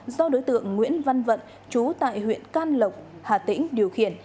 do đối tượng nguyễn văn vận chú tại huyện can lộc hà tĩnh điều khiển